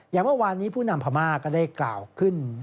อย่างเมื่อวานนี้ผู้นำพม่าก็ได้กล่าวขึ้น